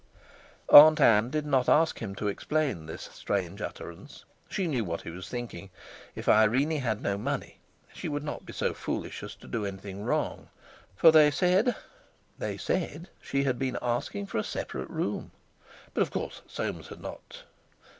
Aunt Ann did not ask him to explain this strange utterance. She knew what he was thinking. If Irene had no money she would not be so foolish as to do anything wrong; for they said—they said—she had been asking for a separate room; but, of course, Soames had not....